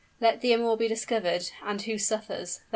Let the amour be discovered, and who suffers?